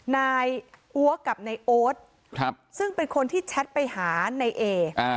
นายอัวกับนายโอ๊ตซึ่งเป็นคนที่แชทไปหานายเอ